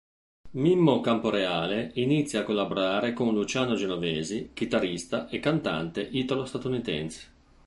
Mimmo Camporeale inizia a collaborare con Luciano Genovesi, chitarrista e cantante italo-statunitense.